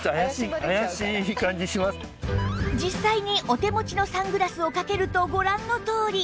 実際にお手持ちのサングラスをかけるとご覧のとおり